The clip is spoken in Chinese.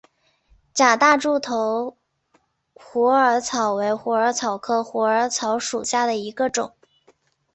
假大柱头虎耳草为虎耳草科虎耳草属下的一个种。